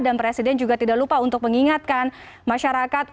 dan presiden juga tidak lupa untuk mengingatkan masyarakat